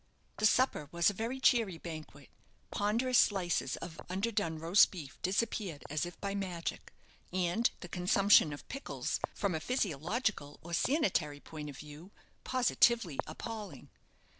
The supper was a very cheery banquet; ponderous slices of underdone roast beef disappeared as if by magic, and the consumption of pickles, from a physiological or sanitary point of view, positively appalling.